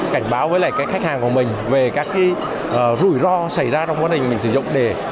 cảnh báo với khách hàng của mình về các rủi ro xảy ra trong quá trình sử dụng đề